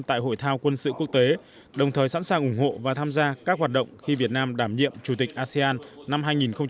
tại hội thao quân sự quốc tế đồng thời sẵn sàng ủng hộ và tham gia các hoạt động khi việt nam đảm nhiệm chủ tịch asean năm hai nghìn hai mươi